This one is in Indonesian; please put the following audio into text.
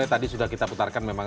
tadi sudah kita putarkan memang